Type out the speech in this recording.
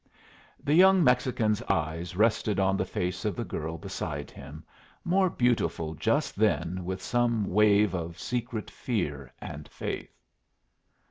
The young Mexican's eyes rested on the face of the girl beside him, more beautiful just then with some wave of secret fear and faith.